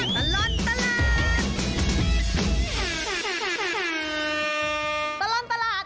ช่วงตลอดตลาด